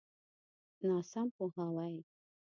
ناسم پوهاوی.